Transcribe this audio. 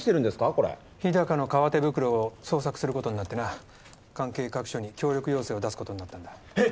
これ日高の革手袋を捜索することになってな関係各所に協力要請を出すことになったんだえっ